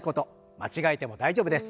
間違えても大丈夫です。